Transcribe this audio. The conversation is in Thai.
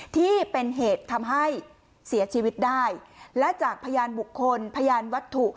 ที่เป็นเหตุทำให้เสียชีวิตได้และจากพยานบุคคลพยานวัตถุ